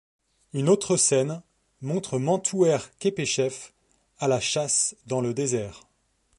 Une autre scène montre Mentouherkhépeshef à la chasse dans le désert.